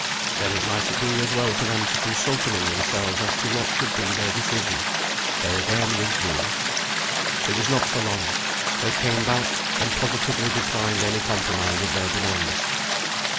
Then it might be as well for them to consult among themselves as to what should be their decision. They again withdrew. It was not for long. They came back, and positively declined any compromise of their demands.